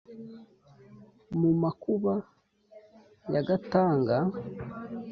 Mu makuba ya Gatanga